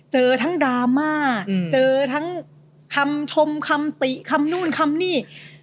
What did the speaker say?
เจอทั้งดราม่าเจอทั้งคำชมคำติคำนู่นคำนี่